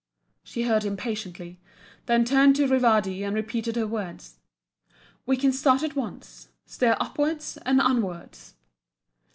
She heard him patiently, then turned to Rivardi and repeated her words "We can start at once. Steer upwards and onwards."